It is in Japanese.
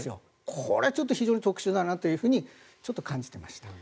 これ、非常に特殊だなと感じていました。